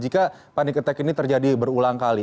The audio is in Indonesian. jika panic attack ini terjadi berulang kali